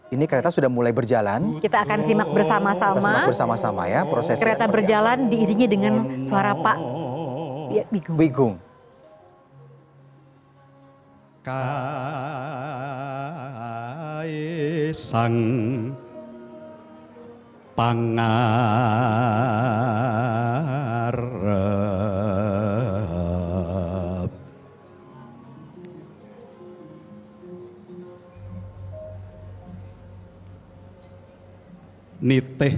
ini kereta sudah mulai berjalan